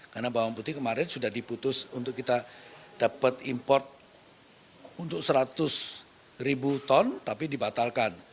karena bawang putih kemarin sudah diputus untuk kita dapat import untuk seratus ribu ton tapi dibatalkan